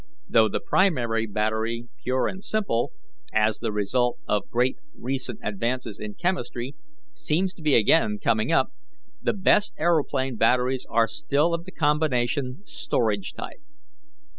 Though the primary battery pure and simple, as the result of great recent advances in chemistry, seems to be again coming up, the best aeroplane batteries are still of the combination storage type.